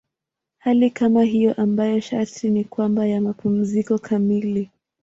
Hali kama hiyo ambayo sharti ni kwamba ya mapumziko kamili.